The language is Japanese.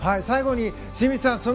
最後に清水さん